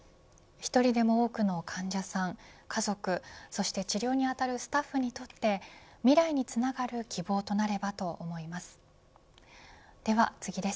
１人でも多くの患者さん家族、そして治療にあたるスタッフにとって未来につながる希望となればと思います。